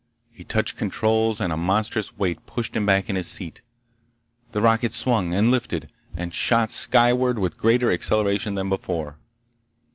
He touched controls and a monstrous weight pushed him back in his seat. The rocket swung, and lifted, and shot skyward with greater acceleration than before.